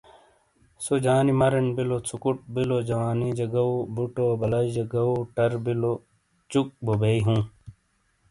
سو جانی مرن بیلو، ژوکوٹ بیلو، جوانیجا گو، بوٹو بلائیجا گو، ٹر بیلوں، چوک بو بئ ہوں۔